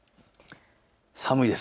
寒いです。